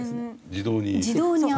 自動に。